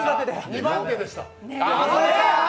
二番手でした。